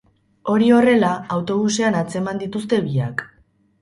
Hori horrela, autobusean atzeman dituzte biak.